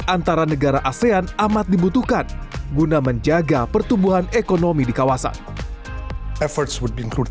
antara negara asean amat dibutuhkan guna menjaga pertumbuhan ekonomi di kawasan efforts world bank